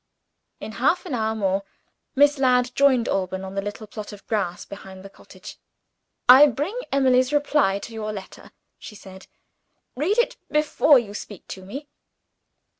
In half an hour more, Miss Ladd joined Alban on the little plot of grass behind the cottage. "I bring Emily's reply to your letter," she said. "Read it, before you speak to me."